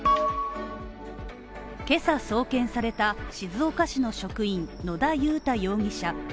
今朝、送検された静岡市の職員、野田雄太容疑者。